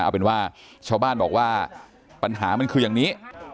เอาเป็นว่าชาวบ้านบอกว่าปัญหามันคืออย่างนี้